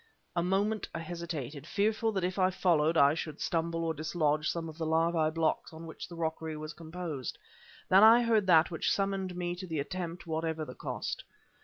A moment I hesitated, fearful that if I followed, I should stumble or dislodge some of the larva blocks of which the rockery was composed. Then I heard that which summoned me to the attempt, whatever the cost.